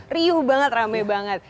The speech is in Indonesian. riuh banget rame banget